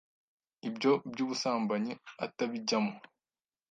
ibyo by’ubusambanyi atabijyamo